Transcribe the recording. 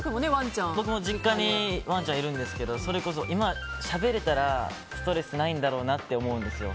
僕も実家にワンちゃんいるんですけど、それこそしゃべれたらストレスないんだろうなと思うんです。